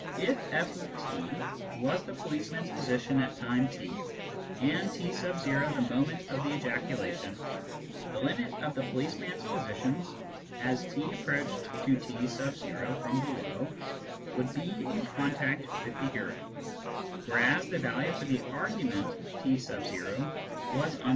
If f(t) was the policeman's position at time t, and t the moment of the ejaculation, the limit of the policeman's positions as t approached to t from below would be in contact with the hero, whereas the value for the argument t was —.